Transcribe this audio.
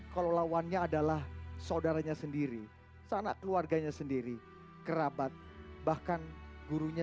kalau lawannya adalah saudaranya sendiri sanak keluarganya sendiri kerabat bahkan gurunya